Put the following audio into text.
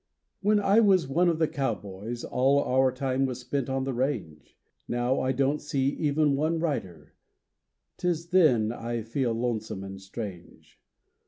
When I was one of the cowboys, All our time was spent on the range; Now I don't see even one rider,— 'Tis then I feel lonesome and strange.